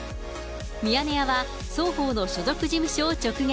ミヤネ屋は双方の所属事務所を直撃。